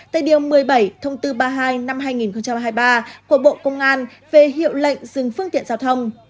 tại điều một mươi bảy thông tư ba mươi hai năm hai nghìn hai mươi ba của bộ công an về hiệu lệnh dừng phương tiện giao thông